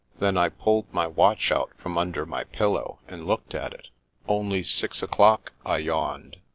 There, I pulled my watch out from under my pillow, and looked at it. "Only six o'clock," I yawned.